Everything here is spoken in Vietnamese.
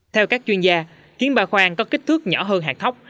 theo các chuyên gia kiến ba khoang có kích thước nhỏ hơn hạt thóc